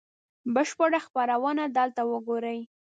بشپړه خپرونه دلته وګورئ